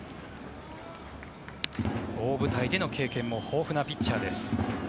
大舞台での経験も豊富なピッチャーです。